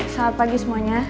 selamat pagi semuanya